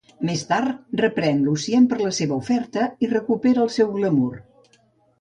Més tard, reprèn Lucien per la seva oferta i recupera el seu Glamour.